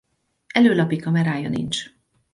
Előlapi kamerája nincs.